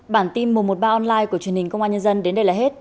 bản tin mùa một ba online của truyền hình công an nhân dân đến đây là hết